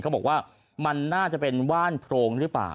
เขาบอกว่ามันน่าจะเป็นว่านโพรงหรือเปล่า